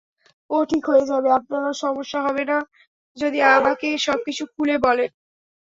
ও ঠিক হয়ে যাবে, আপনারও সমস্যা হবে না যদি আমাকে সবকিছু খুলে বলেন।